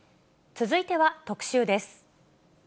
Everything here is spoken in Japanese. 続いては特集です。